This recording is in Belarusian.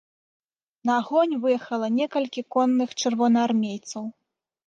На агонь выехала некалькі конных чырвонаармейцаў.